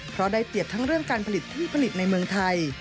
เพราะได้เปรียบทั้งเรื่องการผลิตที่ผลิตในเมืองไทย